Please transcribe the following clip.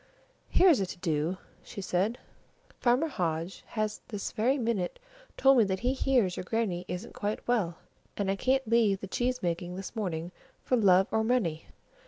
"Here's a to do," she said. "Farmer Hodge has this very minute told me that he hears your Grannie isn't quite well, and I can't leave the cheese making this morning for love or money!